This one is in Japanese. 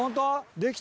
できた？